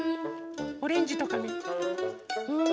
オレンジとかね。